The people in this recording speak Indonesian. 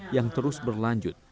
yang terus berlanjut